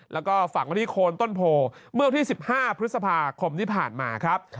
แล้วก็ฝังไว้ที่โคนต้นโพเมื่อวันที่๑๕พฤษภาคมที่ผ่านมาครับ